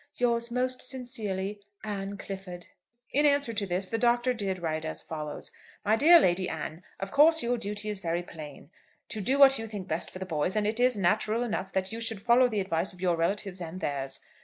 Yours most sincerely, "ANNE CLIFFORD." In answer to this the Doctor did write as follows; "MY DEAR LADY ANNE, Of course your duty is very plain, to do what you think best for the boys; and it is natural enough that you should follow the advice of your relatives and theirs.